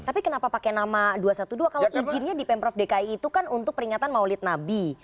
tapi kenapa pakai nama dua ratus dua belas kalau izinnya di pemprov dki itu kan untuk peringatan maulid nabi